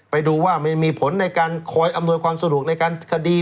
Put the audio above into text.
ไปดูว่ามันมีผลในการคอยอำนวยความสะดวกในการคดี